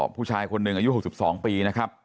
ผู้ชายคนหนึ่งอายุ๖๒ปีนะครับ